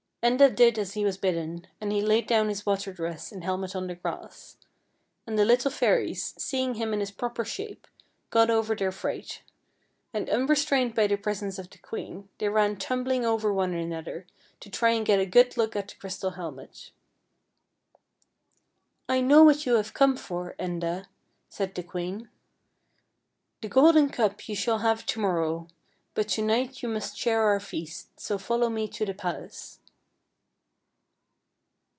Enda did as he was bidden, and he laid down his water dress and helmet on the grass, and the little fairies, seeing him in his proper shape, got over their fright, and, unrestrained by the pres ence of the queen, they ran tumbling over one another to try and get a good look at the crystal helmet. " I know what you have come for, Enda," said the queen. "The golden cup you shall have to morrow; but to night you must share our feast, so follow me to the palace."